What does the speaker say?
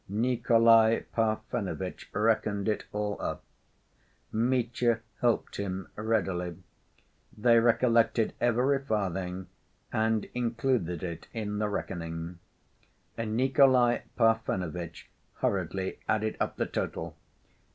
Nikolay Parfenovitch reckoned it all up. Mitya helped him readily. They recollected every farthing and included it in the reckoning. Nikolay Parfenovitch hurriedly added up the total.